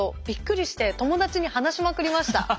びっくりして友達に話しまくりました。